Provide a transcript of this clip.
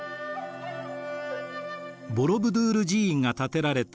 ボロブドゥール寺院が建てられた